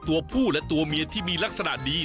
ตัวผู้และตัวเมียที่มีลักษณะดี